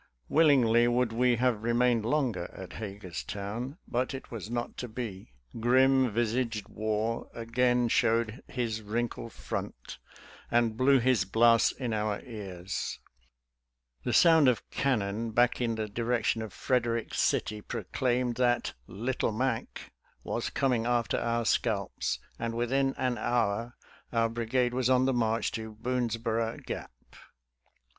Willingly would we have remained longer at Hagerstown, but it was not to be. " Grim visaged war " again showed " his wrinkled front," and blew his blasts in our ears. The sound of cannon back in the CROSSING OVER INTO MARYLAND 83 direction of Frederick City proclaimed that " Little Mac " was coming after our scalps, and within an hour our brigade was on the march to Boonesboro Gap.